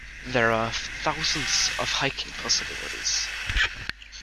There are thousands of hiking possibilities.